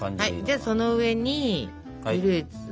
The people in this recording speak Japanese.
じゃあその上にフルーツを。